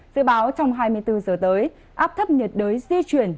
dự báo trong hai mươi bốn giờ tới áp thấp nhiệt đới di chuyển